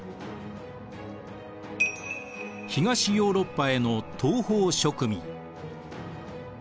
東ヨーロッパへの東方植民。